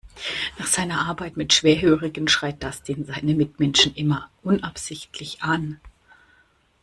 Nach seiner Arbeit mit Schwerhörigen schreit Dustin seine Mitmenschen immer unabsichtlich an.